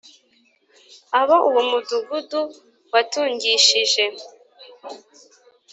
abo uwo mudugudu watungishije